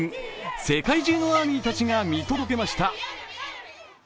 世界中のＡＲＭＹたちが見届けました。